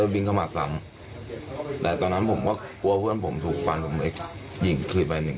ยิงคืนไปหนึ่งนัก